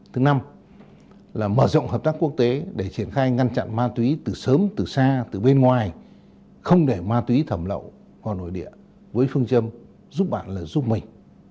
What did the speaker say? thứ năm là mở rộng hợp tác quốc tế để triển khai ngăn chặn ma túy từ sớm từ xa từ bên ngoài không để ma túy thẩm lậu qua nội địa với phương châm giúp bạn lời giúp mình